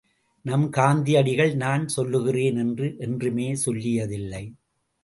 நமது காந்தியடிகள் நான் சொல்லுகிறேன் என்று என்றுமே சொல்லியதில்லை.